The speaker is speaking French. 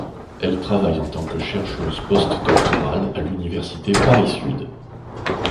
Elle travaille en tant que chercheuse postdoctorale à l'université Paris-Sud.